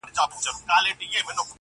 شپه تر سهاره مي لېمه په الاهو زنګوم.!